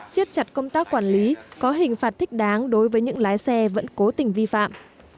siết chặt công tác quản lý có hình phạt thích đáng đối với những lái xe vẫn cố tình vi phạm